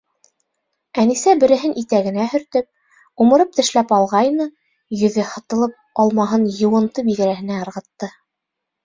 Әнисә береһен итәгенә һөртөп, умырып тешләп алғайны, йөҙө һытылып, алмаһын йыуынты биҙрәһенә ырғытты.